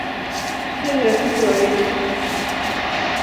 Pia ni rafiki wa wengi.